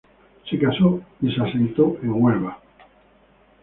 Se casó y se asentó en Huelva.